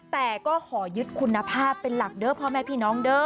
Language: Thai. แต่ก็ขอยึดคุณภาพเป็นหลักเด้อพ่อแม่พี่น้องเด้อ